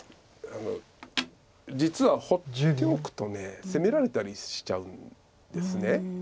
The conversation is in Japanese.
実は放っておくと攻められたりしちゃうんです。